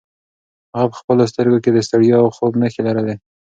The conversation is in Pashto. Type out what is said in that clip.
هغه په خپلو سترګو کې د ستړیا او خوب نښې لرلې.